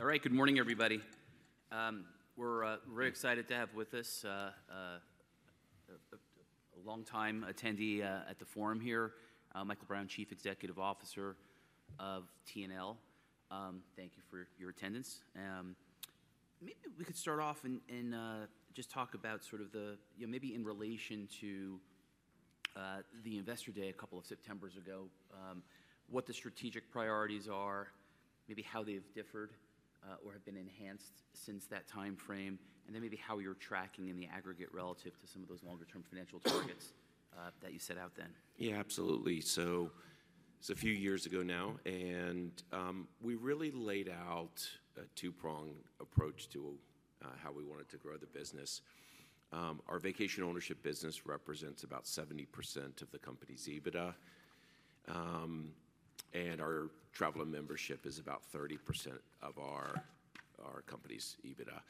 All right. Good morning, everybody. We're very excited to have with us a longtime attendee at the forum here, Michael Brown, Chief Executive Officer of TNL. Thank you for your attendance. Maybe we could start off and just talk about sort of the, you know, maybe in relation to the Investor Day a couple of Septembers ago, what the strategic priorities are, maybe how they've differed or have been enhanced since that time frame, and then maybe how you're tracking in the aggregate relative to some of those longer-term financial targets that you set out then. Yeah, absolutely. So it's a few years ago now, and we really laid out a two-prong approach to how we wanted to grow the business. Our vacation ownership business represents about 70% of the company's EBITDA, and our travel membership is about 30% of our company's EBITDA.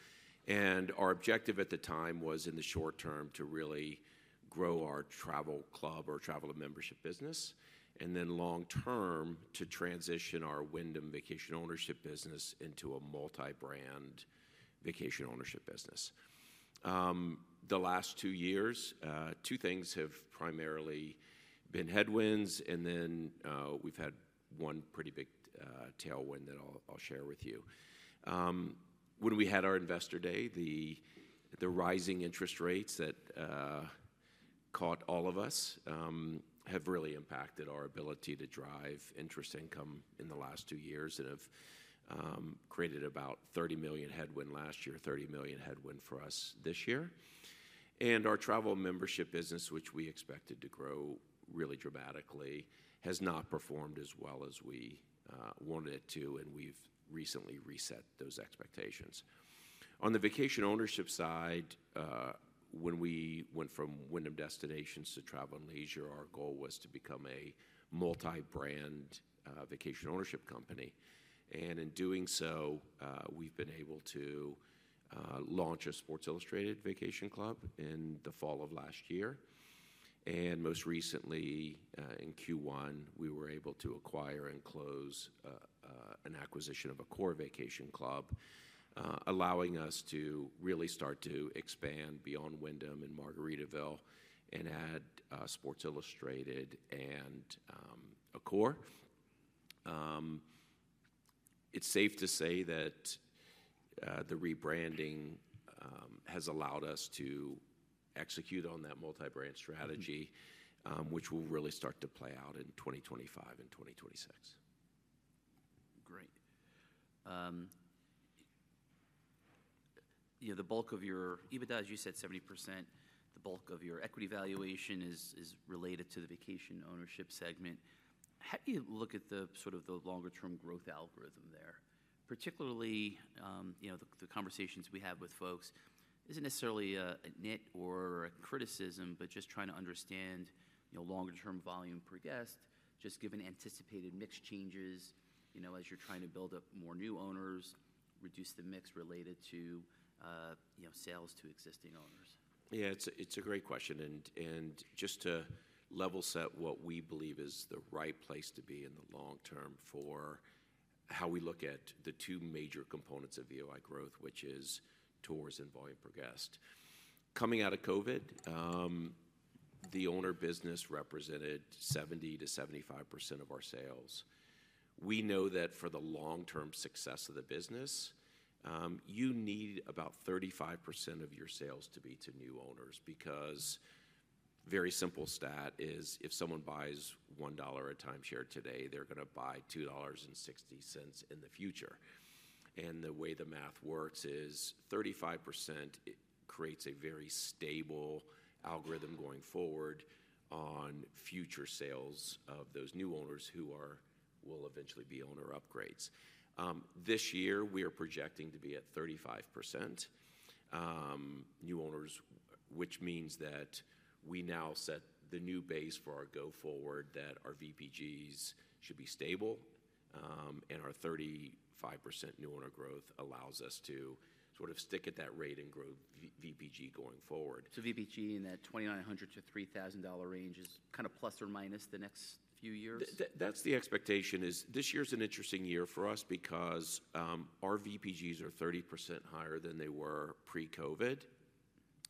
And our objective at the time was, in the short term, to really grow our travel club or travel membership business, and then long term, to transition our Wyndham Vacation Ownership business into a multi-brand vacation ownership business. The last two years, two things have primarily been headwinds, and then we've had one pretty big tailwind that I'll share with you. When we had our Investor Day, the rising interest rates that caught all of us have really impacted our ability to drive interest income in the last two years and have created about $30 million headwind last year, $30 million headwind for us this year. Our travel membership business, which we expected to grow really dramatically, has not performed as well as we wanted it to, and we've recently reset those expectations. On the vacation ownership side, when we went from Wyndham Destinations to Travel + Leisure, our goal was to become a multi-brand vacation ownership company, and in doing so, we've been able to launch a Sports Illustrated Vacation Club in the fall of last year. Most recently, in Q1, we were able to acquire and close an acquisition of Accor Vacation Club, allowing us to really start to expand beyond Wyndham and Margaritaville and add Sports Illustrated and Accor. It's safe to say that the rebranding has allowed us to execute on that multi-brand strategy, which will really start to play out in 2025 and 2026. Great. You know, the bulk of your EBITDA, as you said, 70%, the bulk of your equity valuation is related to the vacation ownership segment. How do you look at the sort of longer-term growth algorithm there? Particularly, you know, the conversations we have with folks isn't necessarily a nit or a criticism, but just trying to understand, you know, longer-term volume per guest, just given anticipated mix changes, you know, as you're trying to build up more new owners, reduce the mix related to, you know, sales to existing owners. Yeah, it's a, it's a great question, and, and just to level set what we believe is the right place to be in the long term for how we look at the two major components of VOI growth, which is tours and volume per guest. Coming out of COVID, the owner business represented 70%-75% of our sales. We know that for the long-term success of the business, you need about 35% of your sales to be to new owners, because very simple stat is if someone buys $1 a timeshare today, they're gonna buy $2.60 in the future. And the way the math works is 35% creates a very stable algorithm going forward on future sales of those new owners who are—will eventually be owner upgrades. This year, we are projecting to be at 35% new owners, which means that we now set the new base for our go-forward, that our VPGs should be stable, and our 35% new owner growth allows us to sort of stick at that rate and grow VPG going forward. So VPG in that $2,900-$3,000 range is kind of plus or minus the next few years? That's the expectation is—this year is an interesting year for us because our VPGs are 30% higher than they were pre-COVID,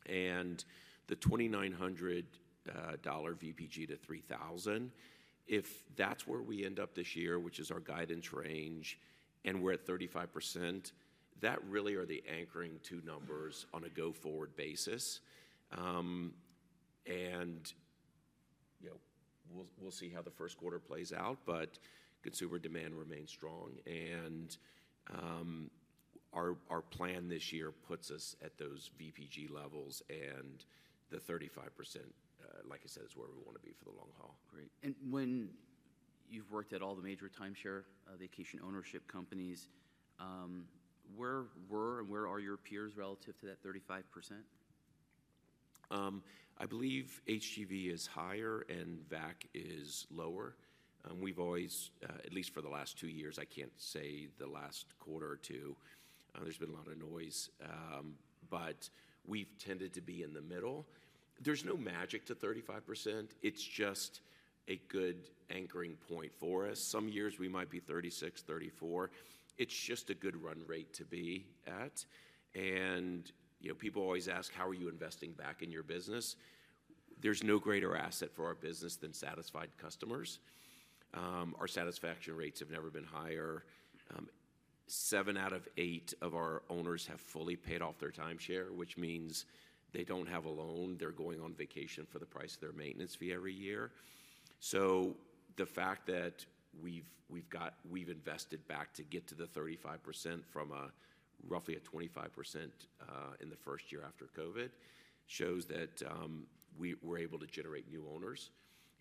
and the $2,900 VPG to $3,000, if that's where we end up this year, which is our guidance range, and we're at 35%, that really are the anchoring two numbers on a go-forward basis. And, you know, we'll see how the first quarter plays out, but consumer demand remains strong and our plan this year puts us at those VPG levels and the 35%, like I said, is where we want to be for the long haul. Great. And when you've worked at all the major timeshare, vacation ownership companies, where were and where are your peers relative to that 35%? I believe HGV is higher and VAC is lower. We've always, at least for the last two years, I can't say the last quarter or 2. There's been a lot of noise, but we've tended to be in the middle. There's no magic to 35%. It's just a good anchoring point for us. Some years we might be 36, 34. It's just a good run rate to be at. And you know, people always ask: "How are you investing back in your business?" There's no greater asset for our business than satisfied customers. Our satisfaction rates have never been higher. Seven out of eightof our owners have fully paid off their timeshare, which means they don't have a loan. They're going on vacation for the price of their maintenance fee every year. So the fact that we've invested back to get to the 35% from roughly a 25% in the first year after COVID shows that we're able to generate new owners,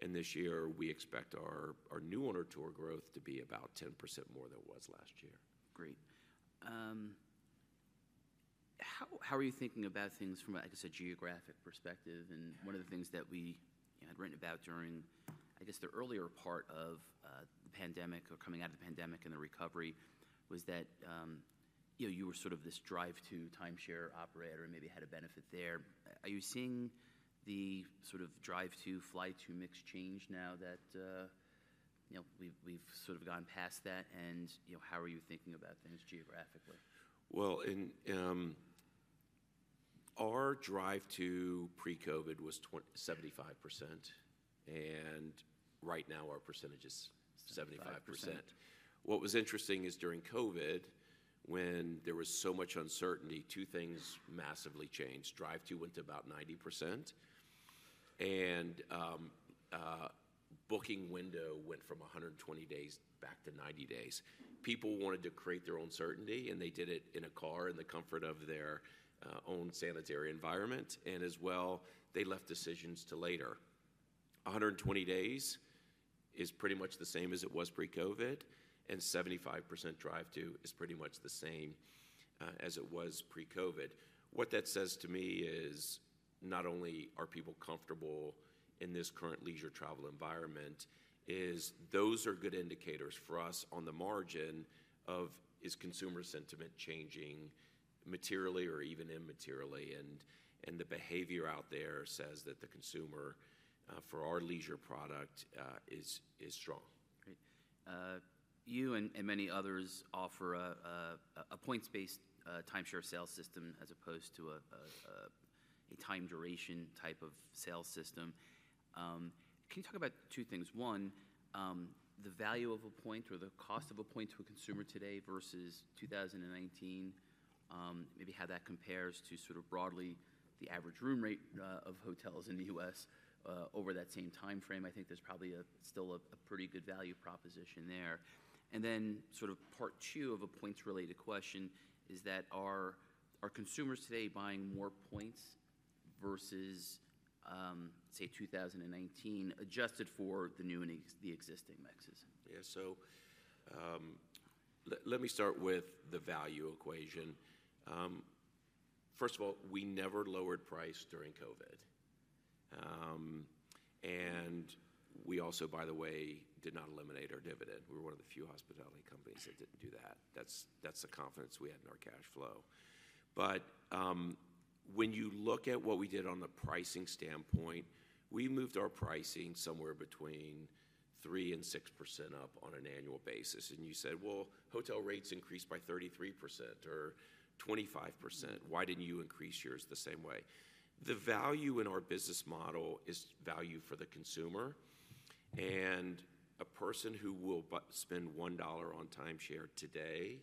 and this year we expect our new owner tour growth to be about 10% more than it was last year. Great. How are you thinking about things from, I guess, a geographic perspective? Yeah. One of the things that we, you know, had written about during I guess, the earlier part of the pandemic or coming out of the pandemic and the recovery, was that, you know, you were sort of this drive to timeshare operator and maybe had a benefit there. Are you seeing the sort of drive-to, fly-to mix change now that, you know, we've sort of gotten past that and, you know, how are you thinking about things geographically? Well, in our drive-to pre-COVID was 75%, and right now our percentage is 75%. Seventy-five percent. What was interesting is during COVID, when there was so much uncertainty, two things massively changed. Drive-to went to about 90% and, booking window went from 120 days back to 90 days. People wanted to create their own certainty, and they did it in a car, in the comfort of their, own sanitary environment. And as well, they left decisions to later. 120 days is pretty much the same as it was pre-COVID, and 75% Drive-to is pretty much the same, as it was pre-COVID. What that says to me is, not only are people comfortable in this current leisure travel environment, is those are good indicators for us on the margin of: is consumer sentiment changing materially or even immaterially? And the behavior out there says that the consumer for our leisure product is strong. Great. You and many others offer a points-based timeshare sales system as opposed to a time duration type of sales system. Can you talk about two things? One, the value of a point or the cost of a point to a consumer today versus 2019. Maybe how that compares to sort of broadly the average room rate of hotels in the U.S. over that same time frame. I think there's probably still a pretty good value proposition there. And then sort of part two of a points-related question is that are consumers today buying more points versus say 2019, adjusted for the new and the existing mixes? Yeah. So, let me start with the value equation. First of all, we never lowered price during COVID. And we also, by the way, did not eliminate our dividend. We were one of the few hospitality companies that didn't do that. That's, that's the confidence we had in our cash flow. But when you look at what we did on the pricing standpoint, we moved our pricing somewhere between 3%-6% up on an annual basis. And you said, "Well, hotel rates increased by 33% or 25%. Why didn't you increase yours the same way?" The value in our business model is value for the consumer and a person who will spend $1 on timeshare today,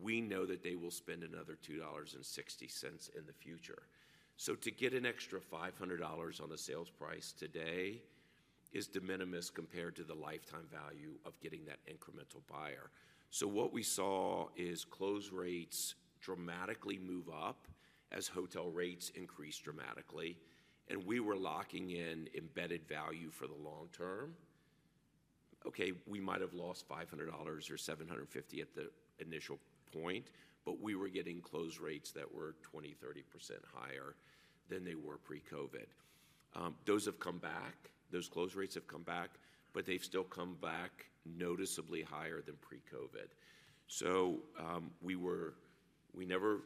we know that they will spend another $2.60 in the future. So to get an extra $500 on the sales price today is de minimis compared to the lifetime value of getting that incremental buyer. So what we saw is close rates dramatically move up as hotel rates increased dramatically, and we were locking in embedded value for the long term. Okay, we might have lost $500 or $750 at the initial point, but we were getting close rates that were 20%-30% higher than they were pre-COVID. Those have come back, those close rates have come back, but they've still come back noticeably higher than pre-COVID. So, we never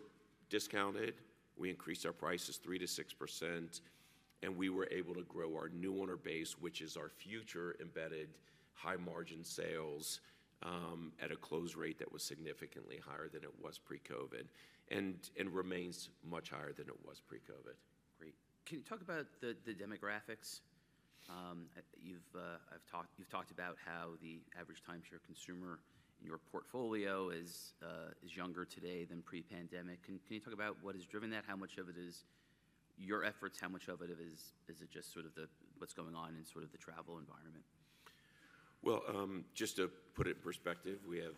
discounted. We increased our prices 3%-6%, and we were able to grow our new owner base, which is our future embedded high-margin sales, at a close rate that was significantly higher than it was pre-COVID and remains much higher than it was pre-COVID. Great. Can you talk about the demographics? You've talked about how the average timeshare consumer in your portfolio is younger today than pre-pandemic. Can you talk about what has driven that? How much of it is your efforts? How much of it is it just sort of what's going on in sort of the travel environment? Well, just to put it in perspective, we have,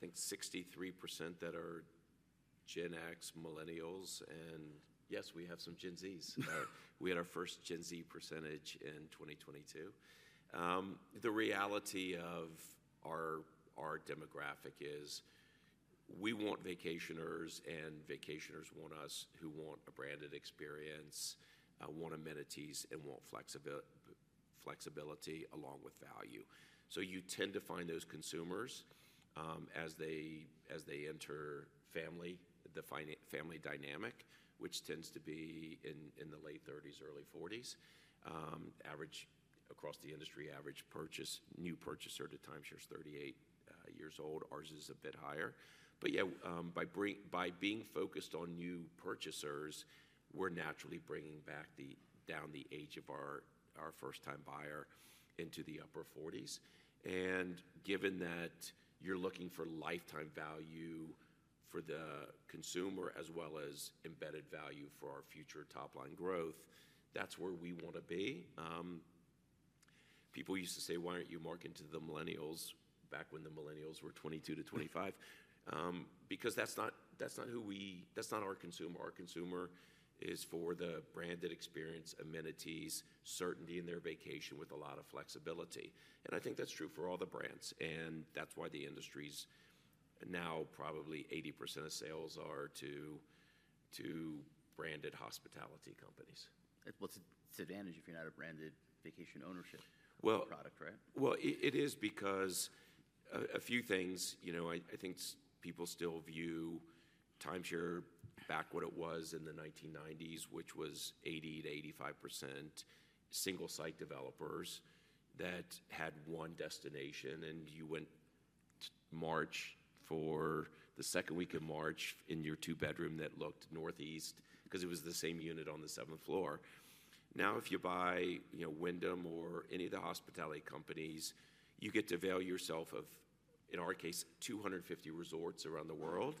I think, 63% that are Gen X, Millennials, and yes, we have some Gen Zs. We had our first Gen Z percentage in 2022. The reality of our demographic is we want vacationers, and vacationers want us who want a branded experience, want amenities, and want flexibility along with value. So you tend to find those consumers, as they enter family, defining family dynamic, which tends to be in the late thirties, early forties. Average across the industry, average purchase, new purchaser to timeshare is 38 years old. Ours is a bit higher. But yeah, by being focused on new purchasers, we're naturally bringing down the age of our first-time buyer into the upper forties. Given that you're looking for lifetime value for the consumer, as well as embedded value for our future top-line growth, that's where we want to be. People used to say: Why don't you market to the millennials back when the millennials were 22-25? Because that's not who we are. That's not our consumer. Our consumer is for the branded experience, amenities, certainty in their vacation with a lot of flexibility, and I think that's true for all the brands, and that's why the industry's now probably 80% of sales are to branded hospitality companies. Well, it's a disadvantage if you're not a branded vacation ownership- Well- - product, right? Well, it is because a few things. You know, I think people still view timeshare back to what it was in the 1990s, which was 80%-85% single-site developers that had one destination, and you went in March for the second week of March in your two-bedroom that looked northeast because it was the same unit on the seventh floor. Now, if you buy, you know, Wyndham or any of the hospitality companies, you get to avail yourself of, in our case, 250 resorts around the world.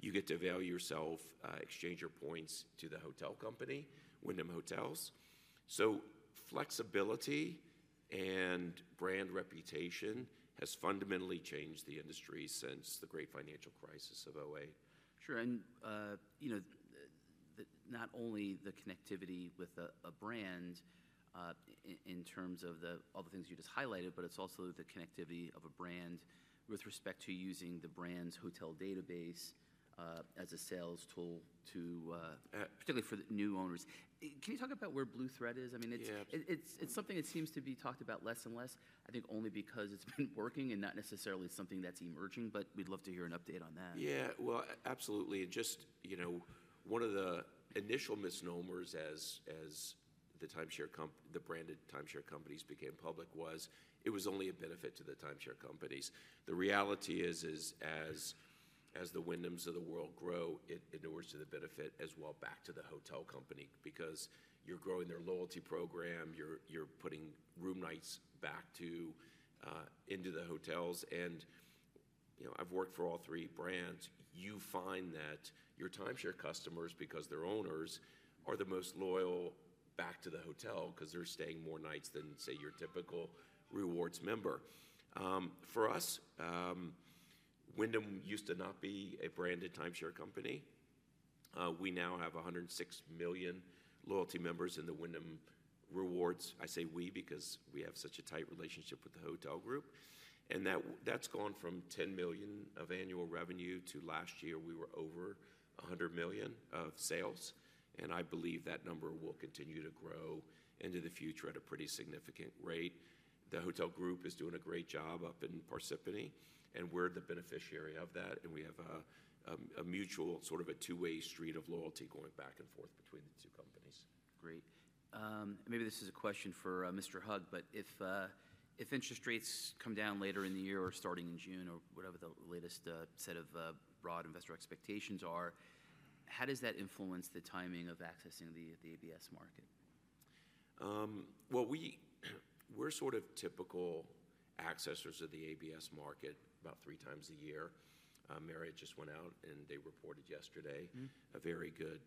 You get to avail yourself, exchange your points to the hotel company, Wyndham Hotels. So flexibility and brand reputation has fundamentally changed the industry since the great financial crisis of 2008. Sure, and, you know, not only the connectivity with a brand in terms of all the things you just highlighted, but it's also the connectivity of a brand with respect to using the brand's hotel database as a sales tool to, - particularly for the new owners. Can you talk about where Blue Thread is? I mean, it's- Yeah.... it's something that seems to be talked about less and less, I think only because it's been working and not necessarily something that's emerging, but we'd love to hear an update on that. Yeah. Well, absolutely. It just... You know, one of the initial misnomers as the branded timeshare companies became public, was it was only a benefit to the timeshare companies. The reality is the Wyndhams of the world grow, it inures to the benefit as well back to the hotel company, because you're growing their loyalty program, you're putting room nights back into the hotels. And, you know, I've worked for all three brands. You find that your timeshare customers, because they're owners, are the most loyal back to the hotel because they're staying more nights than, say, your typical rewards member. For us, Wyndham used to not be a branded timeshare company. We now have 106 million loyalty members in the Wyndham Rewards. I say "we" because we have such a tight relationship with the hotel group, and that, that's gone from $10 million of annual revenue to last year, we were over $100 million of sales, and I believe that number will continue to grow into the future at a pretty significant rate. The hotel group is doing a great job up in Parsippany, and we're the beneficiary of that, and we have a, a mutual, sort of a two-way street of loyalty going back and forth between the two companies. Great. Maybe this is a question for Mr. Hug, but if interest rates come down later in the year or starting in June or whatever the latest set of broad investor expectations are, how does that influence the timing of accessing the ABS market? Well, we're sort of typical issuers of the ABS market, about three times a year. Marriott just went out, and they reported yesterday. Mm-hmm... a very good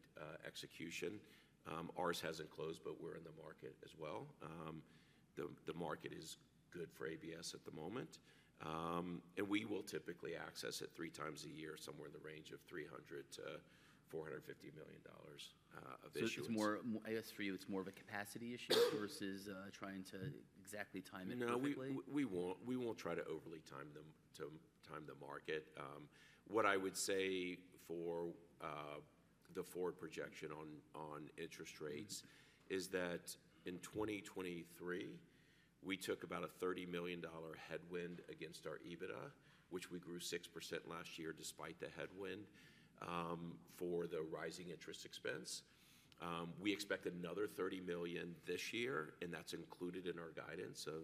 execution. Ours hasn't closed, but we're in the market as well. The market is good for ABS at the moment, and we will typically access it three times a year, somewhere in the range of $300 million-$450 million of issuances. So it's more, I guess for you, it's more of a capacity issue versus trying to exactly time it perfectly? No, we, we won't, we won't try to overly time them, to time the market. What I would say for the forward projection on interest rates-... is that in 2023, we took about a $30 million headwind against our EBITDA, which we grew 6% last year despite the headwind for the rising interest expense. We expect another $30 million this year, and that's included in our guidance of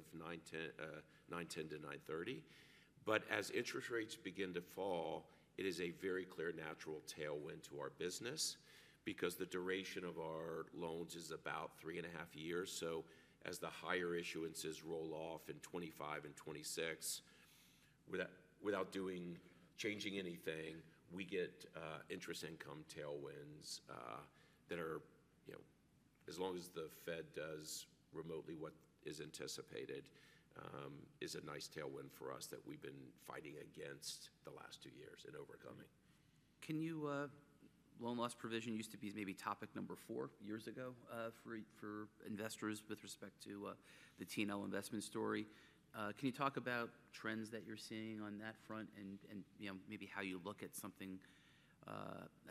$910-$930. But as interest rates begin to fall, it is a very clear natural tailwind to our business because the duration of our loans is about 3.5 years. So as the higher issuances roll off in 2025 and 2026, without changing anything, we get interest income tailwinds that are, you know, as long as the Fed does remotely what is anticipated, a nice tailwind for us that we've been fighting against the last two years and overcoming. Can you loan loss provision used to be maybe topic number four years ago, for investors with respect to the TNL investment story. Can you talk about trends that you're seeing on that front and, you know, maybe how you look at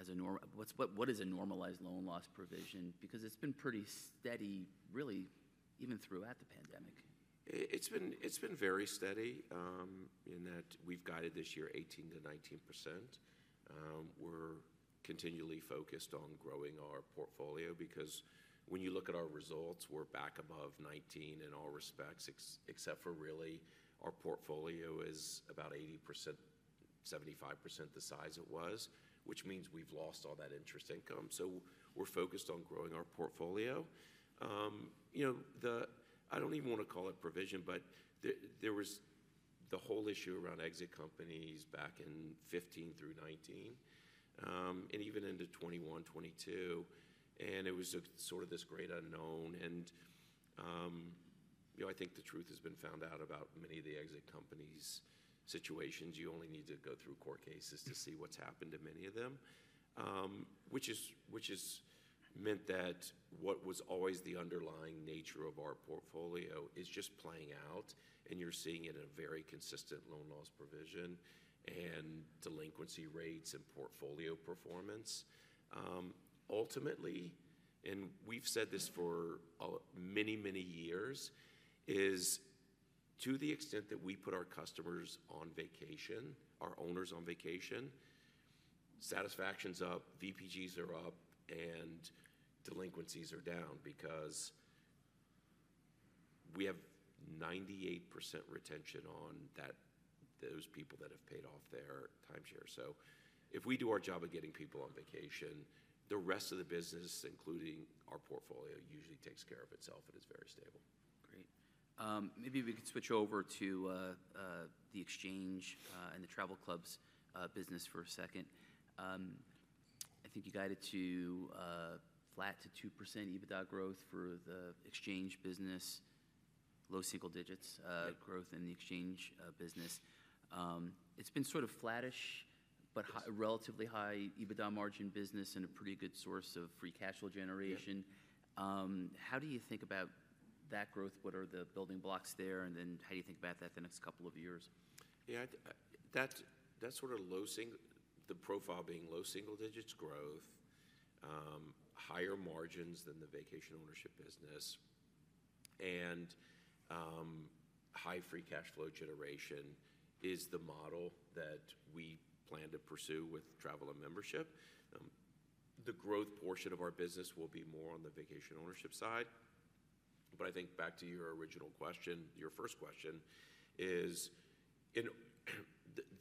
as a norm—what is a normalized loan loss provision? Because it's been pretty steady, really, even throughout the pandemic. It's been very steady in that we've guided this year 18%-19%. We're continually focused on growing our portfolio because when you look at our results, we're back above 19 in all respects, except for really, our portfolio is about 80%, 75% the size it was, which means we've lost all that interest income. So we're focused on growing our portfolio. You know, the I don't even wanna call it provision, but the, there was the whole issue around exit companies back in 2015 through 2019, and even into 2021, 2022, and it was a sort of this great unknown. And you know, I think the truth has been found out about many of the exit companies' situations. You only need to go through court cases to see what's happened to many of them. which is, which has meant that what was always the underlying nature of our portfolio is just playing out, and you're seeing it in a very consistent loan loss provision and delinquency rates and portfolio performance. Ultimately, and we've said this for many, many years, is to the extent that we put our customers on vacation, our owners on vacation, satisfaction's up, VPGs are up, and delinquencies are down because we have 98% retention on that, those people that have paid off their timeshare. So if we do our job of getting people on vacation, the rest of the business, including our portfolio, usually takes care of itself, and it's very stable. Great. Maybe we could switch over to the exchange and the travel clubs business for a second. I think you guided to flat to 2% EBITDA growth for the exchange business, low single digits- Right... growth in the exchange business. It's been sort of flattish, but hi- Yes... a relatively high EBITDA margin business and a pretty good source of free cash flow generation. How do you think about that growth? What are the building blocks there, and then how do you think about that the next couple of years? Yeah, that's sort of low single digits growth, the profile being higher margins than the vacation ownership business, and high free cash flow generation is the model that we plan to pursue with Travel and Membership. The growth portion of our business will be more on the vacation ownership side. But I think back to your original question, your first question, is in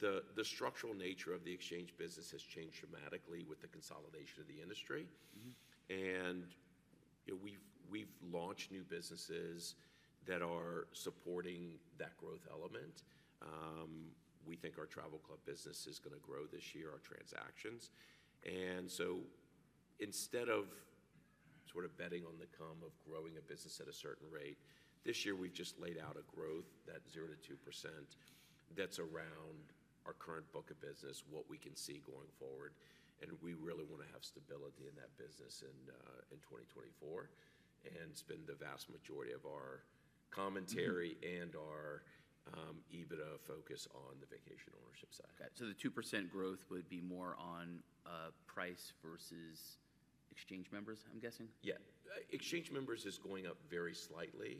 the structural nature of the exchange business has changed dramatically with the consolidation of the industry. Mm-hmm. You know, we've launched new businesses that are supporting that growth element. We think our travel club business is gonna grow this year, our transactions. And so instead of sort of betting on the come of growing a business at a certain rate, this year we've just laid out a growth, that 0%-2%, that's around our current book of business, what we can see going forward, and we really wanna have stability in that business in 2024, and spend the vast majority of our commentary- Mm-hmm... and our EBITDA focus on the vacation ownership side. Got it. So the 2% growth would be more on price versus exchange members, I'm guessing? Yeah. Exchange members is going up very slightly.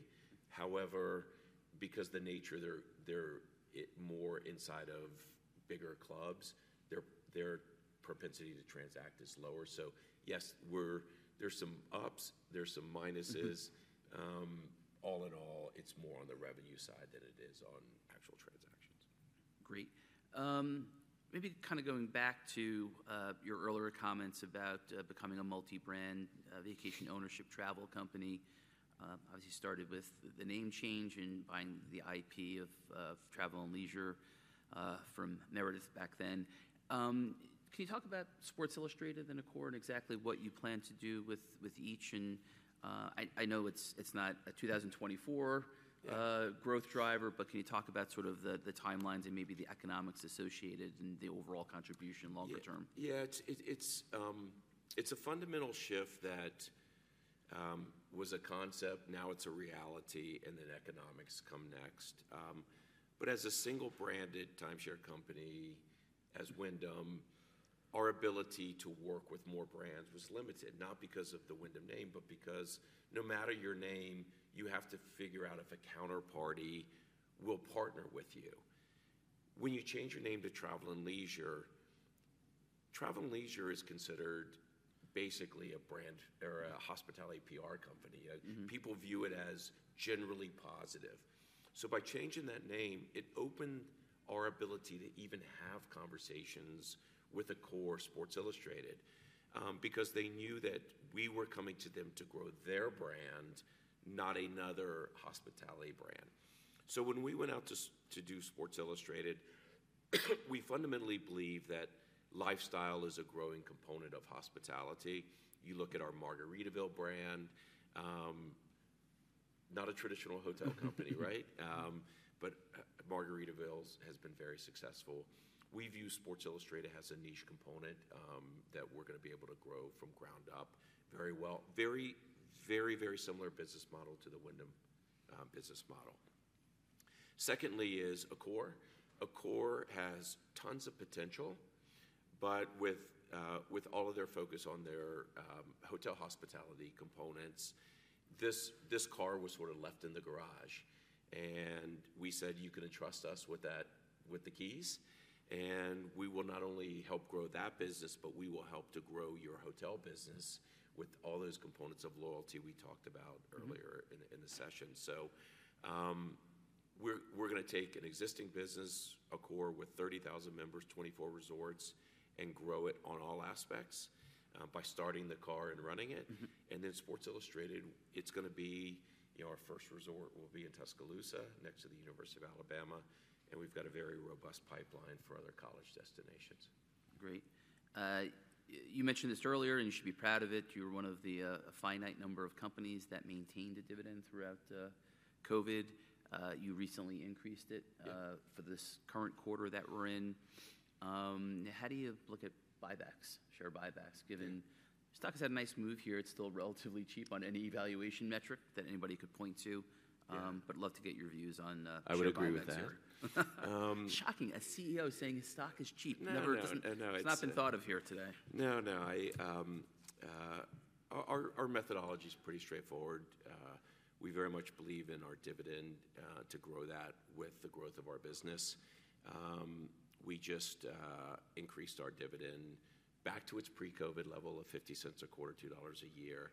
However, because the nature, they're more inside of bigger clubs, their propensity to transact is lower. So yes, we're. There's some ups, there's some minuses. Mm-hmm. All in all, it's more on the revenue side than it is on actual transactions. Great. Maybe kind of going back to your earlier comments about becoming a multi-brand vacation ownership travel company. Obviously, you started with the name change and buying the IP of Travel and Leisure from Meredith back then. Can you talk about Sports Illustrated and Accor, exactly what you plan to do with each? And, I know it's not a 2024- Yeah... growth driver, but can you talk about sort of the timelines and maybe the economics associated and the overall contribution longer term? Yeah, it's a fundamental shift that was a concept, now it's a reality, and then economics come next. But as a single-branded timeshare company, as Wyndham, our ability to work with more brands was limited, not because of the Wyndham name, but because no matter your name, you have to figure out if a counterparty will partner with you. When you change your name to Travel and Leisure, Travel and Leisure is considered basically a brand or a hospitality PR company. Mm-hmm. People view it as generally positive. So by changing that name, it opened our ability to even have conversations withAccor Sports Illustrated, because they knew that we were coming to them to grow their brand, not another hospitality brand. So when we went out to do Sports Illustrated, we fundamentally believe that lifestyle is a growing component of hospitality. You look at our Margaritaville brand, not a traditional hotel company—right? But Margaritaville has been very successful. We view Sports Illustrated as a niche component, that we're gonna be able to grow from ground up very well. Very, very, very similar business model to the Wyndham, business model. Secondly is Accor. </transcript Accor has tons of potential, but with all of their focus on their hotel hospitality components, this car was sort of left in the garage. And we said, "You can entrust us with that, with the keys, and we will not only help grow that business, but we will help to grow your hotel business with all those components of loyalty we talked about earlier- -in, in the session. So, we're, we're gonna take an existing business, Accor, with 30,000 members, 24 resorts, and grow it on all aspects, by starting the car and running it. Mm-hmm. And then Sports Illustrated, it's gonna be, you know, our first resort will be in Tuscaloosa, next to the University of Alabama, and we've got a very robust pipeline for other college destinations. Great. You mentioned this earlier, and you should be proud of it, you were one of the, a finite number of companies that maintained a dividend throughout COVID. You recently increased it- Yep... for this current quarter that we're in. How do you look at buybacks, share buybacks? Yep Stock has had a nice move here. It's still relatively cheap on any valuation metric that anybody could point to. Yeah. I'd love to get your views on share buybacks here. I would agree with that. Shocking, a CEO saying his stock is cheap. No, no, I know. It's- It's not been thought of here today. No, no, I, our methodology's pretty straightforward. We very much believe in our dividend to grow that with the growth of our business. We just increased our dividend back to its pre-COVID level of $0.50 a quarter, $2 a year.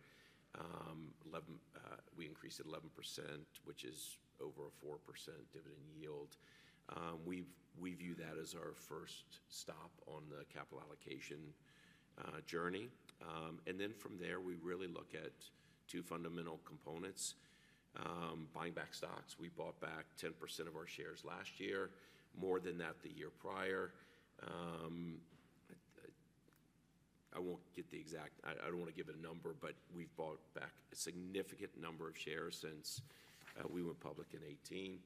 We increased it 11%, which is over a 4% dividend yield. We view that as our first stop on the capital allocation journey. And then from there, we really look at two fundamental components: buying back stocks. We bought back 10% of our shares last year, more than that the year prior. I won't get the exact... I don't want to give it a number, but we've bought back a significant number of shares since we went public in 2018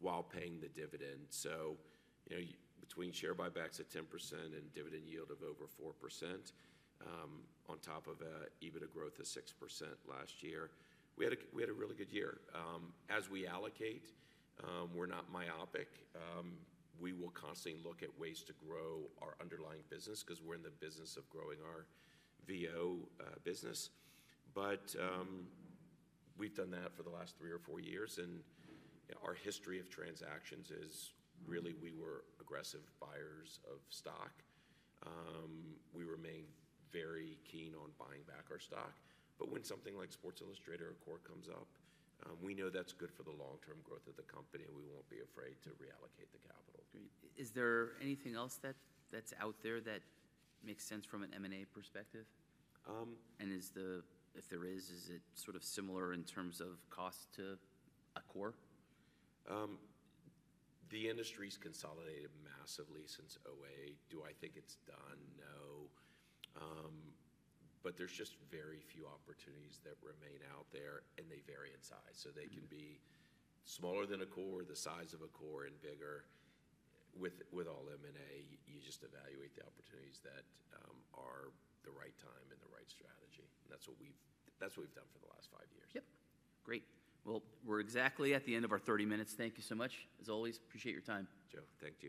while paying the dividend. So, you know, between share buybacks at 10% and dividend yield of over 4%, on top of an EBITDA growth of 6% last year, we had a really good year. As we allocate, we're not myopic. We will constantly look at ways to grow our underlying business, 'cause we're in the business of growing our VO business. But we've done that for the last three or four years, and, you know, our history of transactions is really, we were aggressive buyers of stock. We remain very keen on buying back our stock. But when something like Sports Illustrated or Accor comes up, we know that's good for the long-term growth of the company, and we won't be afraid to reallocate the capital. Great. Is there anything else that, that's out there that makes sense from an M&A perspective? Um- And if there is, is it sort of similar in terms of cost to Accor? The industry's consolidated massively since 2008. Do I think it's done? No. But there's just very few opportunities that remain out there, and they vary in size. Mm-hmm. They can be smaller than Accor, the size of Accor, and bigger. With all M&A, you just evaluate the opportunities that are the right time and the right strategy, and that's what we've done for the last five years. Yep. Great. Well, we're exactly at the end of our 30 minutes. Thank you so much, as always. Appreciate your time. Joe, thank you.